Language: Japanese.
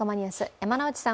山内さん